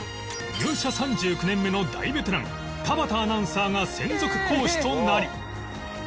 入社３９年目の大ベテラン田畑アナウンサーが専属講師となり